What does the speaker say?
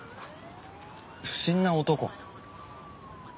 不審な男？